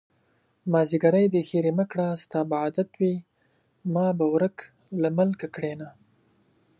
مازديګری دی ښېرې مکړه ستا به عادت وي ما به ورک له ملکه کړينه